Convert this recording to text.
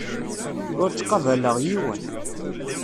Ur ttqabaleɣ yiwen.